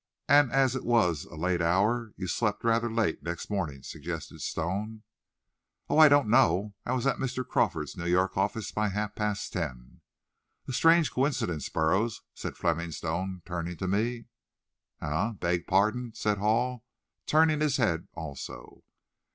"And as it was a late hour, you slept rather late next morning," suggested Stone. "Oh, I don't know. I was at Mr. Crawford's New York office by half past ten." "A strange coincidence, Burroughs," said Fleming Stone, turning to me. "Eh? Beg pardon?" said Hall, turning his head also.